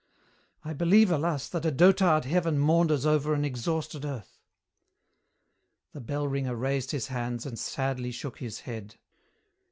"I believe, alas, that a dotard Heaven maunders over an exhausted Earth." The bell ringer raised his hands and sadly shook his head.